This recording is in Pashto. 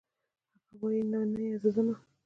هغه وايي نانيه زه ځمه.